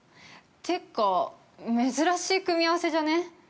結構、珍しい組み合わせじゃね？